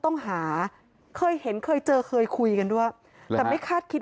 ต้องหาเคยเห็นเคยเจอเคยคุยกันด้วยแต่ไม่คาดคิด